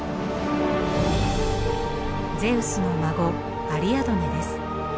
ゼウスの孫アリアドネです。